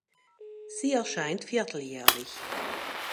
Sie erscheint vierteljährlich.